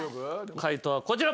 解答はこちら。